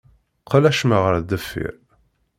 Qqel acemma ɣer deffir.